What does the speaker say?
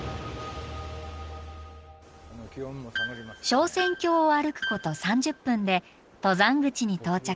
昇仙峡を歩くこと３０分で登山口に到着。